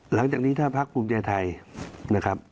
หลังจากนี้ถ้าพักภูมิใจไทยนะครับ